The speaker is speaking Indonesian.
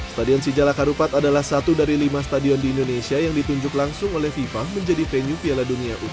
stadion sijala karupat adalah satu dari lima stadion di indonesia yang ditunjuk langsung oleh fifa menjadi venue piala dunia u dua puluh